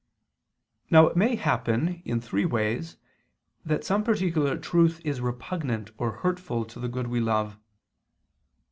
Now it may happen in three ways that some particular truth is repugnant or hurtful to the good we love.